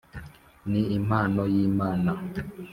ni impamo y` imana